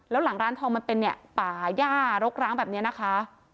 แล้วหลังร้านทองมันเป็นเนี่ยป่าย่ารกร้างแบบนี้นะคะ